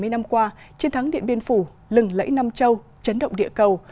bảy mươi năm qua chiến thắng điện biên phủ lừng lẫy nam châu chấn động địa cầu